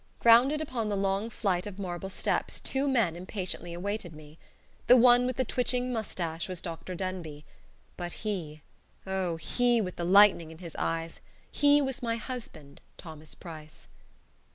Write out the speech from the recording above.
Grouped upon the long flight of marble steps two men impatiently awaited me. The one with the twitching mustache was Dr. Denbigh. But he, oh, he with the lightning in his eyes, he was my husband, Thomas Price.